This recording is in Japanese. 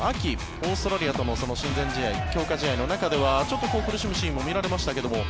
オーストラリアとの親善試合強化試合の中ではちょっと苦しむシーンも見られましたが。